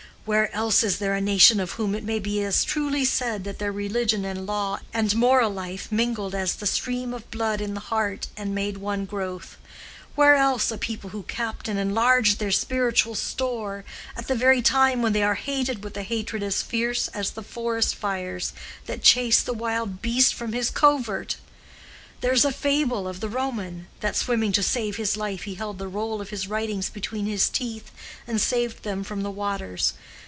Where else is there a nation of whom it may be as truly said that their religion and law and moral life mingled as the stream of blood in the heart and made one growth—where else a people who kept and enlarged their spiritual store at the very time when they are hated with a hatred as fierce as the forest fires that chase the wild beast from his covert? There is a fable of the Roman, that swimming to save his life he held the roll of his writings between his teeth and saved them from the waters.